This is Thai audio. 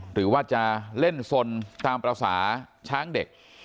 หรือว่าจะเล่นสนตามประวัติศาสตร์ช้างเด็ก